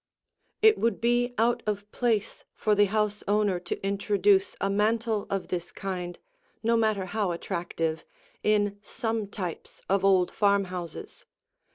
It would be out of place for the house owner to introduce a mantel of this kind, no matter how attractive, in some types of old farmhouses.